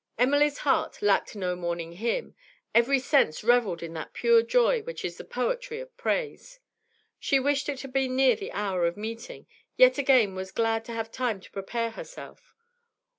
Emily's heart lacked no morning hymn; every sense revelled in that pure joy which is the poetry of praise. She wished it had been near the hour of meeting, yet again was glad to have time to prepare herself.